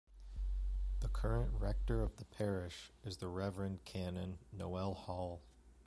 The current rector of the parish is the Reverend Canon Noelle Hall.